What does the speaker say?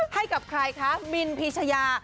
ให้กับใครคะบินพีชยา